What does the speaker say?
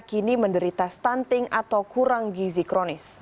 kini menderita stunting atau kurang gizi kronis